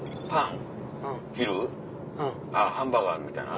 昼？あっハンバーガーみたいな？